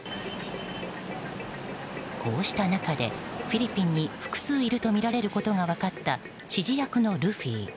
こうした中で、フィリピンに複数いるとみられることが分かった指示役のルフィ。